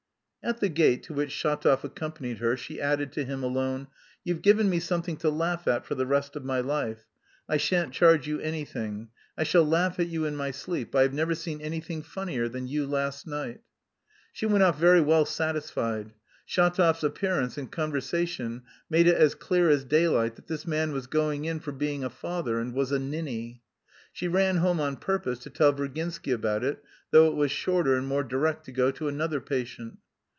At the gate, to which Shatov accompanied her, she added to him alone. "You've given me something to laugh at for the rest of my life; I shan't charge you anything; I shall laugh at you in my sleep! I have never seen anything funnier than you last night." She went off very well satisfied. Shatov's appearance and conversation made it as clear as daylight that this man "was going in for being a father and was a ninny." She ran home on purpose to tell Virginsky about it, though it was shorter and more direct to go to another patient.